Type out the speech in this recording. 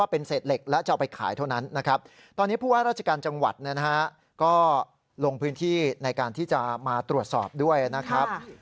เพราะว่าราชการจังหวัดนะฮะก็ลงพื้นที่ในการที่จะมาตรวจสอบด้วยนะครับ